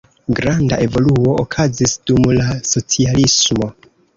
Granda evoluo okazis dum la socialismo.